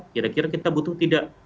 kira kira kita butuh tidak